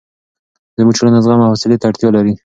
زموږ ټولنه زغم او حوصلې ته اړتیا لري.